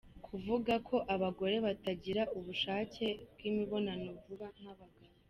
Kuvuga ko abagore batagira ubushake bw’imibonano vuba nk’abagabo .